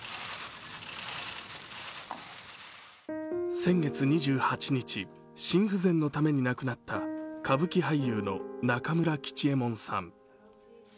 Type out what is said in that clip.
先月２８日、心不全のために亡なくなった歌舞伎俳優の中村吉右衛門さん。